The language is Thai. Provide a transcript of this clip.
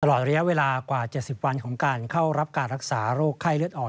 ตลอดระยะเวลากว่า๗๐วันของการเข้ารับการรักษาโรคไข้เลือดอ่อน